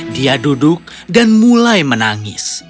dia duduk dan mulai menangis